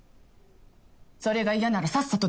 それが嫌ならさっさと出て行って。